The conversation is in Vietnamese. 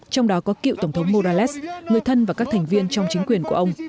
trong đó có cựu tổng thống morales người thân và các thành viên trong chính quyền của ông